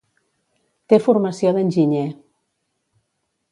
Té formació d'enginyer.